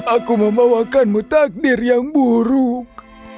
aku membawakanmu takdir yang buruk